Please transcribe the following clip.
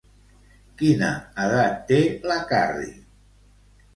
Quina edat té la Carrie?